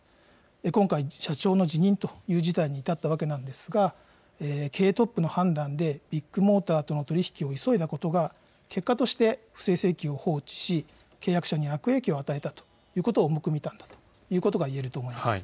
今回、社長の辞任という事態に至ったわけなんですが経営トップの判断でビッグモーターとの取り引きを急いだことが結果として不正請求を放置し契約者に悪影響を与えたということを重く見たということがいえると思います。